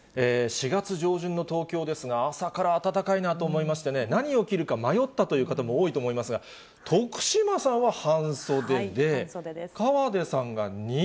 ４月上旬の東京ですが、朝から暖かいなと思いましてね、何を着るか迷ったという方も多いと思いますが、徳島さんは半袖で、そうですね。